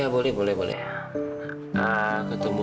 berjumlah lu tria